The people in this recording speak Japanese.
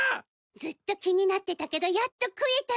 ずっと気になってたけどやっと食えたの。